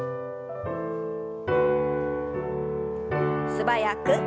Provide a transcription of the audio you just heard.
素早く。